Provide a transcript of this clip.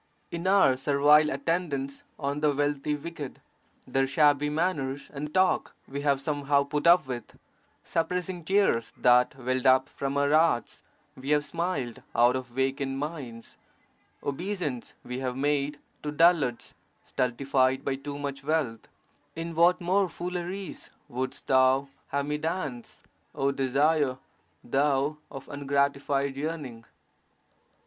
In our servile attendance on the (wealthy) wicked, their shabby manners and talk we have somehow put up with; suppressing tears that welled up from our hearts, we have smiled out of vacant minds; obeisance we have made to dullards stultified by too much wealth; in what more fooleries wouldst thou have me dance, oh Desire, thou of ungratified yearning!